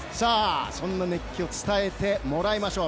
そんな熱気を伝えてもらいましょう。